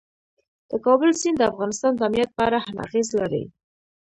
د کابل سیند د افغانستان د امنیت په اړه هم اغېز لري.